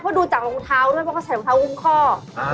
เพราะดูจากรองเท้าด้วยเพราะเขาใส่รองเท้าอุ้มข้อ